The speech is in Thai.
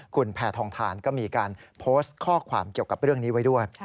คุณแพทองทานก็มีการโพสต์ข้อความเกี่ยวกับเรื่องนี้ไว้ด้วย